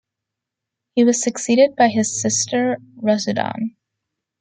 He was succeeded by his sister Rusudan.